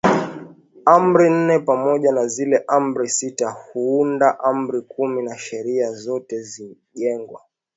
Amri nne pamoja na zile Amri sita huunda Amri kumi na sheria zote zimejengwa